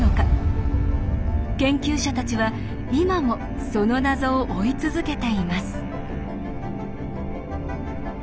研究者たちは今もその謎を追い続けています。